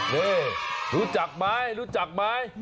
นี่รู้จักมั้ยรู้จักมั้ย